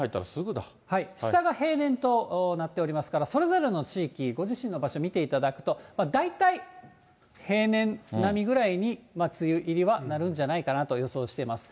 下が平年となっておりますから、それぞれの地域、ご自身の場所見ていただくと、大体平年並みぐらいに、梅雨入りはなるんじゃないかなと予想しております。